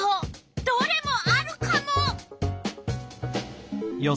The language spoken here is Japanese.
どれもあるカモ！